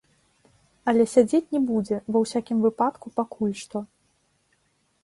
Але сядзець не будзе, ва ўсякім выпадку, пакуль што.